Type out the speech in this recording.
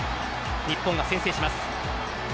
日本が先制します。